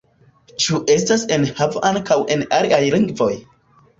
Ĉu estas enhavo ankaŭ el aliaj lingvoj?